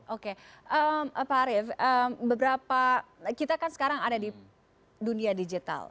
oke pak arief beberapa kita kan sekarang ada di dunia digital